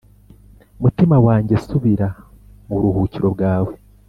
Mutima wanjye subira mu buruhukiro bwawe